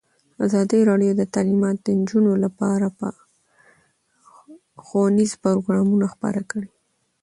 ازادي راډیو د تعلیمات د نجونو لپاره په اړه ښوونیز پروګرامونه خپاره کړي.